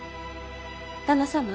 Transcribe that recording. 旦那様？